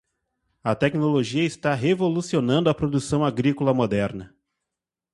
A tecnologia está revolucionando a produção agrícola moderna.